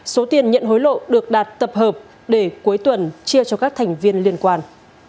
số tiền nhận hối lộ được đạt tập hợp để cuối tuần chia cho các thành viên liên quan